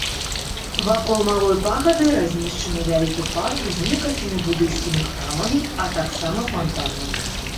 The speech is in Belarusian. Вакол малой пагады размешчаны вялікі парк з некалькімі будыйскімі храмамі, а таксама фантанам.